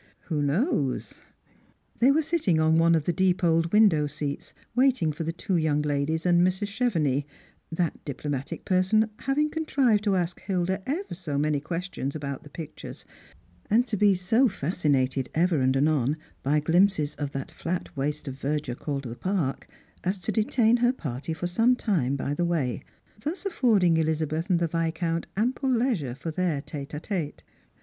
Who knows ?" They were sitting on one of the deep old window seats, waiting for the two young ladies and Mrs. Chevenix, that diplomatic person having contrived to ask Hilda so many questions about the pictures, and to be so fascinated ever and anon by glimpses of that flat waste of verdure called the park, as to detain her party for some time by the way, thus affording Elizabeth and the Viscount ample leisure for their tete a tete.